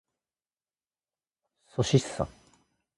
っそしっさん。